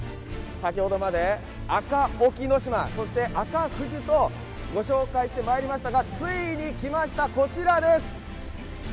先ほどまで赤坂沖ノ島、そして赤富士とご紹介してまいりましたが、ついにきました、こちらです。